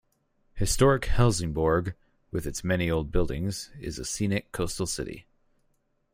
Historic Helsingborg, with its many old buildings, is a scenic coastal city.